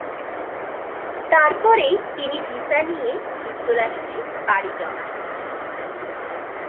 তারপরেই তিনি ভিসা নিয়ে যুক্তরাষ্ট্রে পাড়ি জমান।